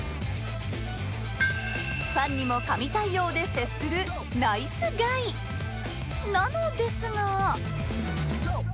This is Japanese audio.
ファンにも神対応で接するナイスガイ！なのですが。